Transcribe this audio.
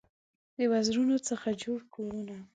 د وزرونو څخه جوړ کورونه